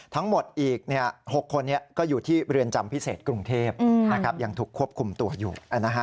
ทั้งหมดอีก๖คนก็อยู่ที่เรือนจำพิเศษกรุงเทพยังถูกควบคุมตัวอยู่